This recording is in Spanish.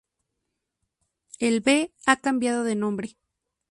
El B ha cambiado de nombre.